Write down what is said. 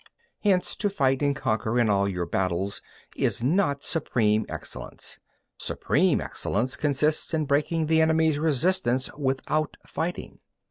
2. Hence to fight and conquer in all your battles is not supreme excellence; supreme excellence consists in breaking the enemy's resistance without fighting.